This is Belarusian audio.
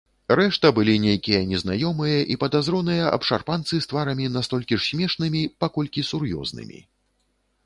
Рэшта былі нейкія незнаёмыя і падазроныя абшарпанцы з тварамі настолькі ж смешнымі, паколькі сур'ёзнымі.